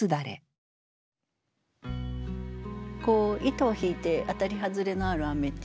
糸を引いて当たり外れのあるっていうのはね